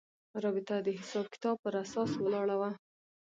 رابطه د حساب کتاب پر اساس ولاړه وه.